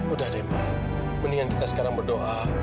udah deh pak mendingan kita sekarang berdoa